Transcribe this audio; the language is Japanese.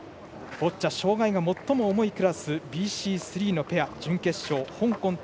ボッチャ障がいが最も重いクラスＢＣ３のペア準決勝香港対